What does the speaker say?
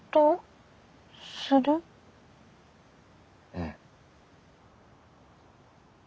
うん。